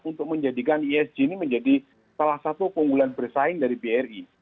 untuk menjadikan esg ini menjadi salah satu keunggulan bersaing dari bri